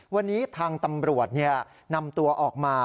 วันนี้ทางตำรวจนำตัวออกมา